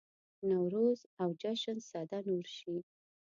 نوروز او جشن سده نور شي.